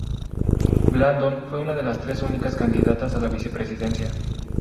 Blandón fue una de las tres únicas candidatas a la vicepresidencia.